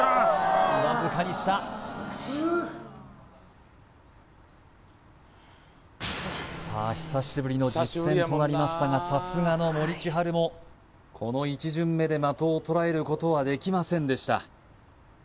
わずかに下さあ久しぶりの実戦となりましたがさすがの森千晴もはいこの１巡目で的を捉えることはできませんでした